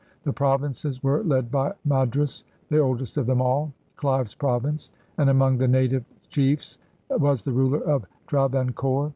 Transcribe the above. The provinces were led by Madras, the oldest of them all, " Clive's Pro\dnce," and among the native chiefs was the ruler of Travancore.